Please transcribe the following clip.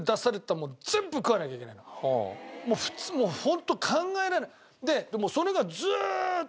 ずーっともうホント考えられない！